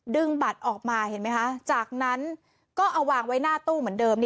บัตรออกมาเห็นไหมคะจากนั้นก็เอาวางไว้หน้าตู้เหมือนเดิม